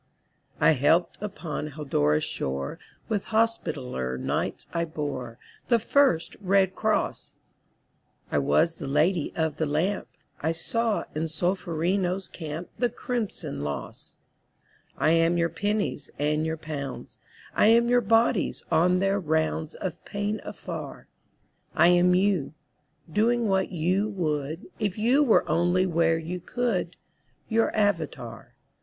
I helped upon Haldora's shore; With Hospitaller Knights I bore The first red cross; I was the Lady of the Lamp; I saw in Solferino's camp The crimson loss. 188 AUXILIARIES I am your pennies and your pounds; I am your bodies on their rounds Of pain afar; I am you, doing what you would If you were only where you could ŌĆö Ō¢Ā Your avatar.